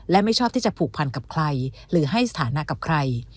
และไม่ชอบที่จะผูกพันกับใครหรือให้สถานะกับใคร